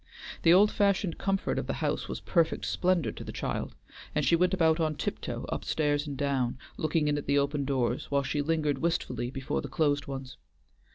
The old fashioned comfort of the house was perfect splendor to the child, and she went about on tiptoe up stairs and down, looking in at the open doors, while she lingered wistfully before the closed ones.